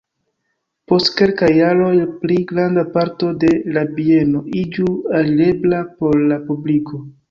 Post kelkaj jaroj pli granda parto de la bieno iĝu alirebla por la publiko.